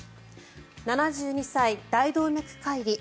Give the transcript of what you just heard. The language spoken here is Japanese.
７２歳、大動脈解離。